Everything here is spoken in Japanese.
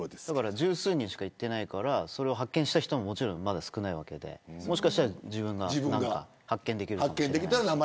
だから、十数人しか行ってないからそれを発見した人ももちろん、まだ少ないわけでもしかしたら自分が何か発見できるかもしれないし。